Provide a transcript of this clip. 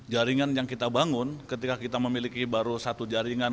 jaringan yang kita bangun ketika kita memiliki baru satu jaringan